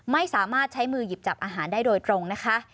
ไม่สามารถใช้มือหยิบจับอาหารได้โดยตรงนะคะ